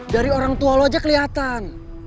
dari orang tua lu aja keliatan